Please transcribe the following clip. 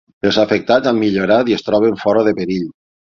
Els afectats han millorat i es troben fora de perill.